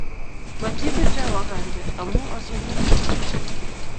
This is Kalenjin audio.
Matibircho wakante amu asomani